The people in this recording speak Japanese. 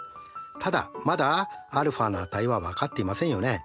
ただまだαの値は分かっていませんよね。